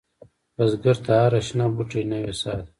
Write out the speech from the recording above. بزګر ته هره شنه بوټۍ نوې سا ده